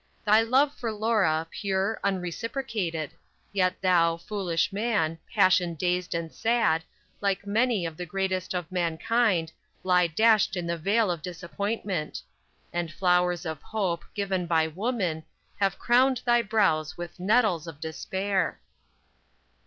Thy love for Laura, pure, unreciprocated; Yet, thou, foolish man, passion dazed and sad, Like many of the greatest of mankind Lie dashed in the vale of disappointment; And flowers of hope, given by woman, Have crowned thy brows with nettles of despair!